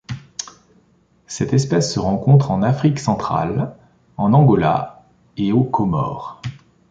Cette espèce se rencontre en Afrique centrale, en Angola et aux Comores.